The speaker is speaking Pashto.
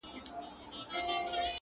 شیرنۍ ته ریسوت وایې ډېر ساده یې.